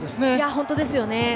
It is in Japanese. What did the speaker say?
本当ですね。